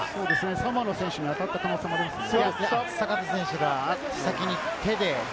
サモアの選手に当たった可能性もありますね。